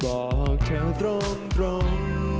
บอกเธอตรง